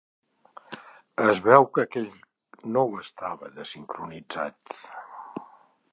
Es veu que aquell no ho estava, de sincronitzat.